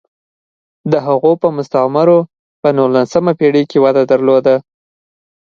د هغو مستعمرو په نولسمه پېړۍ کې وده درلوده.